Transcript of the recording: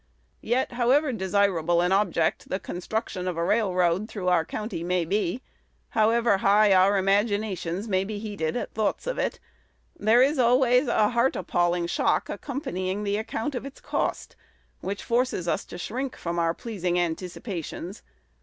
Yet however desirable an object the construction of a railroad through our country may be; however high our imaginations may be heated at thoughts of it, there is always a heart appalling shock accompanying the account of its cost, which forces us to shrink from our pleasing anticipations.